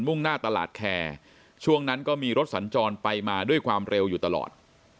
่งหน้าตลาดแคร์ช่วงนั้นก็มีรถสัญจรไปมาด้วยความเร็วอยู่ตลอด